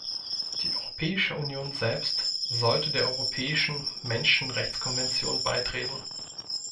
Die Europäische Union selbst sollte der Europäischen Menschenrechtskonvention beitreten.